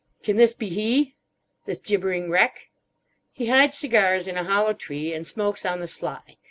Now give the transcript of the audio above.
"Can this be he! This gibbering wreck!" He hides cigars in a hollow tree, and smokes on the sly.